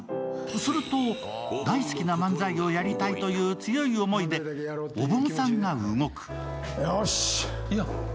すると、大好きな漫才をやりたいという強い思いでおぼんさんが動く。